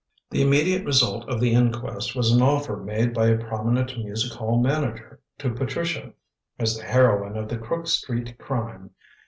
The immediate result of the inquest was an offer made by a prominent music hall manager to Patricia, as the heroine of the Crook Street crime.